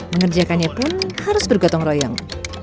mengerjakannya pun harus bergotong royong